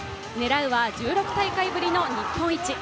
狙うは１６大会ぶりの日本一。